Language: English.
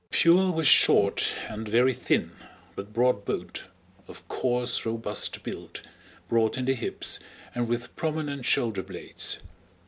Pfuel was short and very thin but broad boned, of coarse, robust build, broad in the hips, and with prominent shoulder blades.